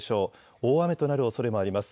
大雨となるおそれもあります。